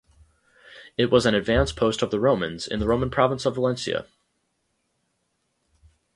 It was an advance post of the Romans in the Roman province of Valentia.